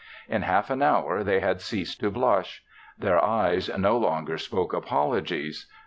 In half an hour, they had ceased to blush. Their eyes no longer spoke apologies.